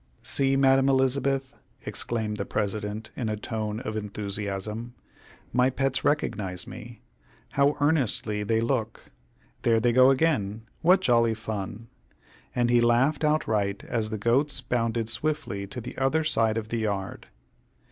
"See, Madam Elizabeth," exclaimed the President in a tone of enthusiasm, "my pets recognize me. How earnestly they look! There they go again; what jolly fun!" and he laughed outright as the goats bounded swiftly to the other side of the yard.